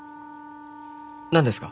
何ですか？